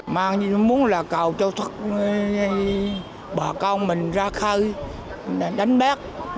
mà muốn là cầu cho bà cong mình ra khơi đánh bác